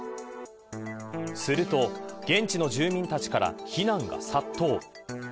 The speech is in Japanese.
すると現地の住民たちから非難が殺到。